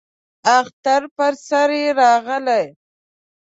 اختر پر سر راغی.